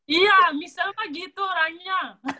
iya michelle mah gitu orangnya